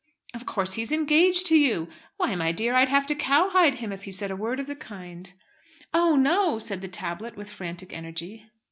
"Of course he's engaged to you. Why, my dear, I'd have to cowhide him if he said a word of the kind." "Oh, no!" said the tablet with frantic energy.